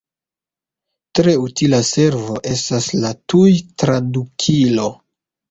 Tre utila servo estas la tuj-tradukilo.